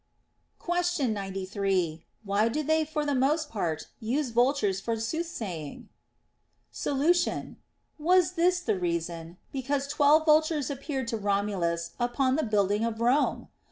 Question 93. Why do they for the most part use vul tures for soothsaying \ Solution. Was this the reason, because twelve vultures appeared to Romulus upon the building of Rome